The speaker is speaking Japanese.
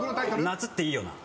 『夏っていいよな』